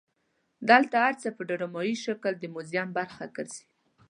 دلته هر څه په ډرامایي شکل د موزیم برخه ګرځي.